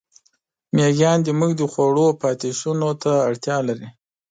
مېږیان زموږ د خوړو پاتېشونو ته اړتیا لري.